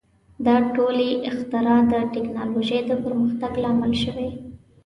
• دا ټولې اختراع د ټیکنالوژۍ د پرمختګ لامل شوې.